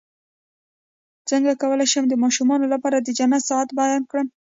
څنګه کولی شم د ماشومانو لپاره د جنت ساعت بیان کړم